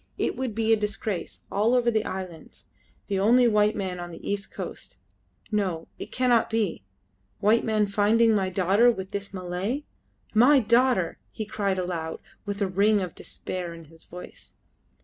"It would be a disgrace ... all over the islands, ... the only white man on the east coast. No, it cannot be ... white men finding my daughter with this Malay. My daughter!" he cried aloud, with a ring of despair in his voice.